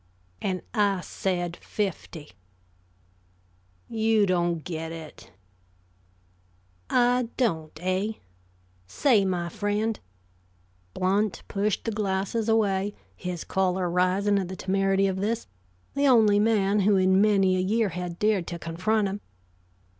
"And I said fifty." "You don't get it." "I don't, eh? Say, my friend" Blount pushed the glasses away, his choler rising at the temerity of this, the only man who in many a year had dared to confront him.